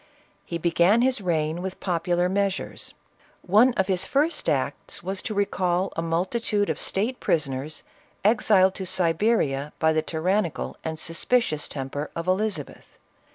He began his reign with popular measures. One of his first acts was to recall a multitude of state prison ers, exiled to Siberia by the tyrannical and suspicious temper of Elizabeth.